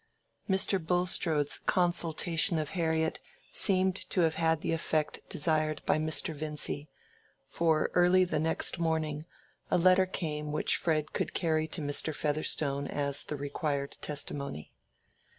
_" Mr. Bulstrode's consultation of Harriet seemed to have had the effect desired by Mr. Vincy, for early the next morning a letter came which Fred could carry to Mr. Featherstone as the required testimony.